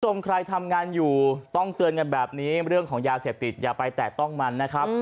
ใครทำงานอยู่ต้องเตือนกันแบบนี้เรื่องของยาเสพติดอย่าไปแตะต้องมันนะครับ